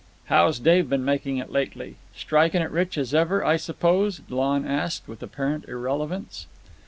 "How's Dave been makin' it lately? Strikin' it as rich as ever, I suppose?" Lon asked, with apparent irrelevance.